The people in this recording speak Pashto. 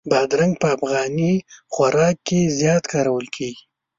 بادرنګ په افغاني خوراک کې زیات کارول کېږي.